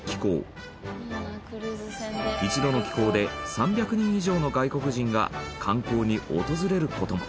一度の寄港で３００人以上の外国人が観光に訪れる事も。